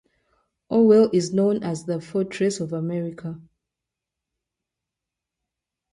Orwell is known as the Fortress of America.